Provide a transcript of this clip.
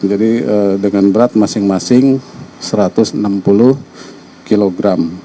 jadi dengan berat masing masing satu ratus enam puluh kg